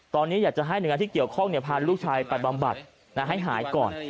ตอนนี้อยากจะให้หน่วยงานที่เกี่ยวข้องพาลูกชายไปบำบัดให้หายก่อน